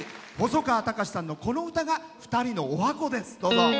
細川たかしさんのこの歌が２人の、おはこです。